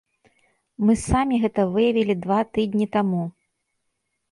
Мы самі гэта выявілі два тыдні таму.